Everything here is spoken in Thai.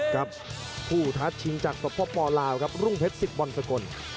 กับผู้ทัชชิงจักรต่อพ่อปอลาวครับรุ่งเพชร๑๐บอลสกล